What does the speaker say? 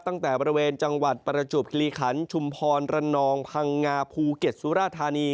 ตั้งแต่บริเวณจังหวัดประจวบคิริขันชุมพรระนองพังงาภูเก็ตสุราธานี